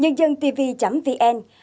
nhân dân tv vn